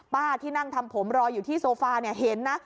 ป้าที่นั่งทำผมรออยู่ที่โซฟาเห็นนะ